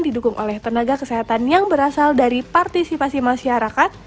didukung oleh tenaga kesehatan yang berasal dari partisipasi masyarakat